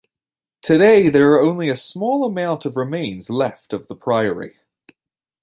Today, there are only a small amount of remains left of the priory.